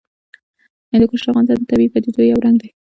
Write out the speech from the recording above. هندوکش د افغانستان د طبیعي پدیدو یو رنګ دی.